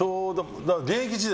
現役時代。